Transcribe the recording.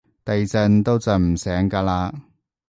地震都震唔醒㗎喇